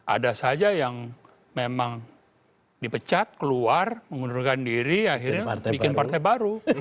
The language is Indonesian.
ada saja yang memang dipecat keluar mengundurkan diri akhirnya bikin partai baru